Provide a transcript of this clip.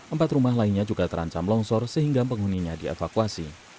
empat rumah lainnya juga terancam longsor sehingga penghuninya dievakuasi